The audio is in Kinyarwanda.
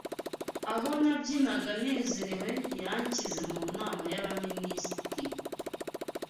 Aho nabyinaga nezerewe; Yanshyize mu Nama y'Abaminisitiri